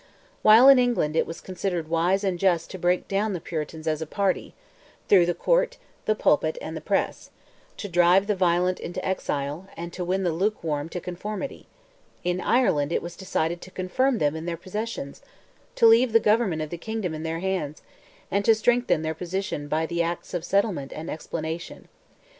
While in England it was considered wise and just to break down the Puritans as a party—through the court, the pulpit, and the press; to drive the violent into exile, and to win the lukewarm to conformity; in Ireland it was decided to confirm them in their possessions, to leave the government of the kingdom in their hands, and to strengthen their position by the Acts of Settlement and Explanation.